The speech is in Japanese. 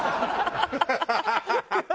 ハハハハ！